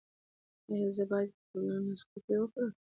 ایا زه باید کولونوسکوپي وکړم؟